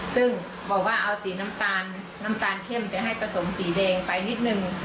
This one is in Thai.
ซึ่งบอกว่าเอาสีน้ำตาลน้ำตาลเข้มไปให้ผสมสีแดงไปนิดนึง